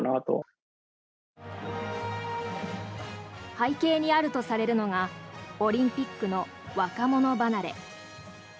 背景にあるとされるのがオリンピックの若者離れ。